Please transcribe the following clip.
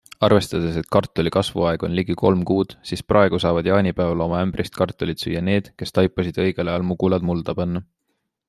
Arvestades, et kartuli kasvuaeg on ligi kolm kuud, siis praegu saavad jaanipäeval oma ämbrist kartulit süüa need, kes taipasid õigel ajal mugulad mulda panna.